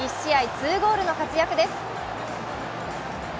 ２ゴールの活躍です。